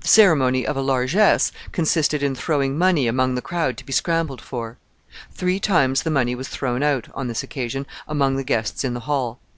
The ceremony of a largesse consisted in throwing money among the crowd to be scrambled for. Three times the money was thrown out, on this occasion, among the guests in the hall.